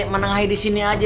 menengahi disini aja